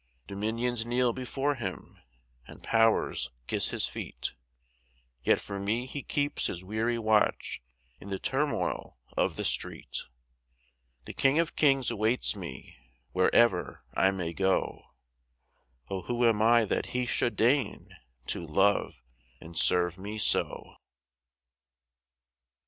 Dominions kneel before Him, and Powers kiss His feet, Yet for me He keeps His weary watch in the turmoil of the street: The King of Kings awaits me, wherever I may go, O who am I that He should deign to love and serve me so?